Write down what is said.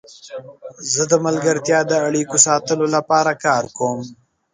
زه د ملګرتیا د اړیکو ساتلو لپاره کار کوم.